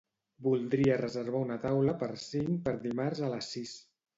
Voldria reservar una taula per cinc per dimarts a les sis.